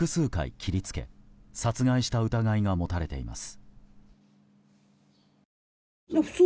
切り付け殺害した疑いが持たれています。